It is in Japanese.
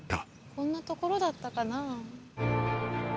こんな所だったかなぁ。